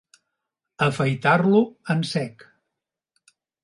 Afaitar-lo en sec.